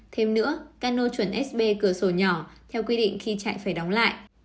thêm nữa cano chuẩn sb cửa sổ nhỏ theo quy định khi chạy phải đóng lại